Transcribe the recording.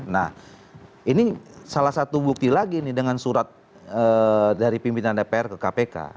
nah ini salah satu bukti lagi nih dengan surat dari pimpinan dpr ke kpk